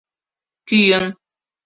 Кӱын.